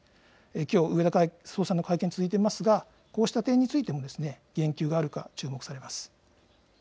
きょう、植田総裁の会見、続いてますが、こうした点についても、言及があるか注目されます。